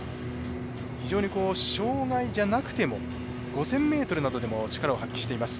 非常に障害じゃなくても５０００ｍなどでも力を発揮しています。